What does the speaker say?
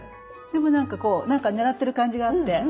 でもなんかこうなんか狙ってる感じがあって。